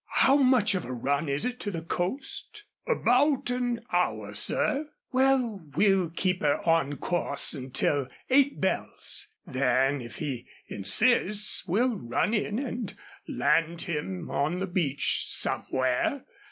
"How much of a run is it to the coast?" "About an hour, sir." "Well, keep her on her course until eight bells. Then if he insists we'll run in and land him on the beach somewhere."